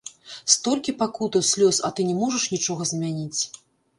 Столькі пакутаў, слёз, а ты не можаш нічога змяніць.